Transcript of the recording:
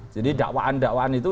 jadi dakwaan itu di mana dianggap itu